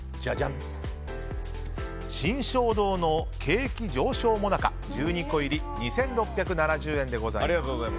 新正堂の景気上昇最中１２個入り２６７０円でございます。